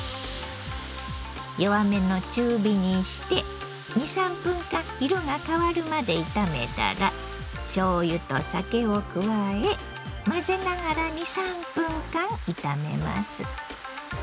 弱めの中火にして２３分間色が変わるまで炒めたらしょうゆと酒を加え混ぜながら２３分間炒めます。